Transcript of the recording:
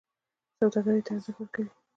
سوداګرۍ ته ارزښت ورکوي.